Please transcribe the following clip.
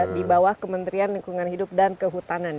di bawah kementerian lingkungan hidup dan kehutanan